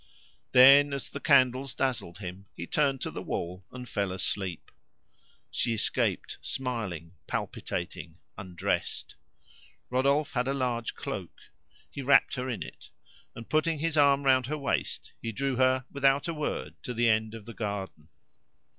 Then, as the candles dazzled him; he turned to the wall and fell asleep. She escaped, smiling, palpitating, undressed. Rodolphe had a large cloak; he wrapped her in it, and putting his arm round her waist, he drew her without a word to the end of the garden.